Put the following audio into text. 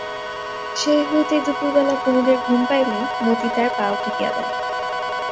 সেই হইতে দুপুরবেলা কুমুদের ঘুম পাইলে মতি তার পাও টিপিয়া দেয়।